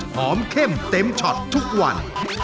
เข้มเต็มช็อตทุกวัน